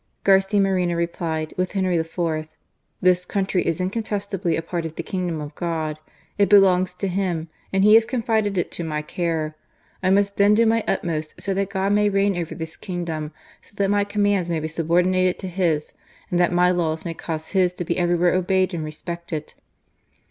Garcia Moreno replied, with Henry IV., " This country is incontestably a part of the Kingdom of God. It ttS GARCIA MORENO. belongs to Him, and He has con6ded it to n^y cafe. •I must then do my utmost so that God may retga over this kingdom, so that my commands laay be subordinated to His, and that my laws may caade His to be everywhere obeyed and respected."